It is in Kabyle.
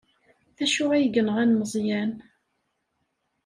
D acu ay yenɣan Meẓyan?